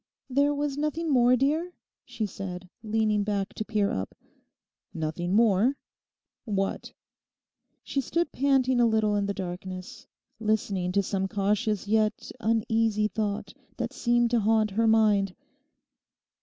'There was nothing more, dear?' She said, leaning back to peer up. '"Nothing more?" What?' She stood panting a little in the darkness, listening to some cautious yet uneasy thought that seemed to haunt her mind.